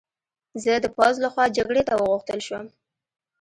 زه د پوځ له خوا جګړې ته وغوښتل شوم